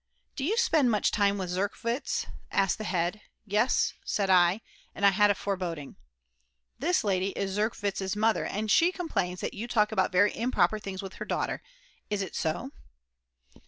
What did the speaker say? "Do you spend much time with Zerkwitz?" asked the head. "Yes, said I," and I had a foreboding. "This lady is Zerkwitz's mother, she complains that you talk about very improper things with her daughter; is it so?"